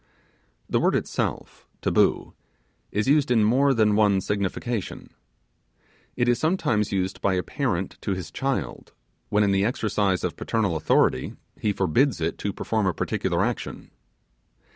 The word itself (taboo) is used in more than one signification. It is sometimes used by a parent to his child, when in the exercise of parental authority he forbids it to perform a particular action.